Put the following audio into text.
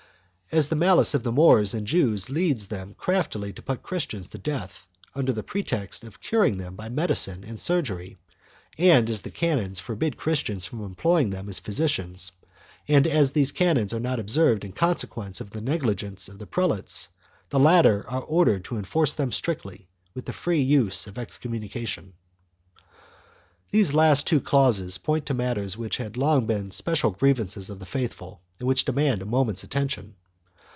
As the malice of Moors and Jews leads them craftily to put Christians to death, under pretext of curing them by medicine and surgery and, as the canons forbid Christians from employing them as physicians, and as these canons are not observed in con sequence of the negligence of the prelates, the latter are ordered to enforce them strictly with the free use of excommunication.2 These last two clauses point to matters which had long been* special grievances of the faithful and which demand a moment's attention.